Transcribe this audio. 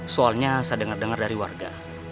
soalnya saya dengar dengar dari warga